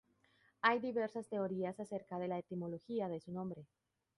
Hay diversas teorías acerca de la etimología de su nombre.